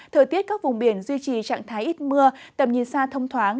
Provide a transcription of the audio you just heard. thời tiết các vùng biển duy trì trạng thái ít mưa tầm nhìn xa thông thoáng